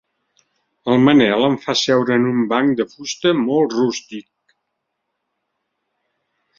El Manel em fa seure en un banc de fusta molt rústic.